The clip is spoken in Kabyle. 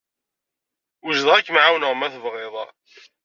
Wejdeɣ ad kem-ɛawneɣ ma tebɣid.